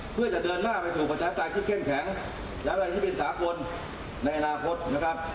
เพื่อจะเดินหน้าไปถูกประชาติที่เข้มแข็งประชาติที่เป็นสาคนในอนาคตนะครับ